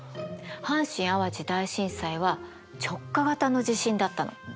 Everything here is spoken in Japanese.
阪神・淡路大震災は直下型の地震だったの。